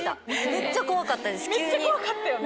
めっちゃ怖かったよね？